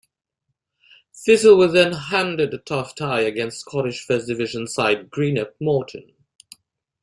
Thistle were then handed a tough tie against Scottish First Division side Greenock Morton.